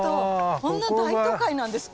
こんな大都会なんですか？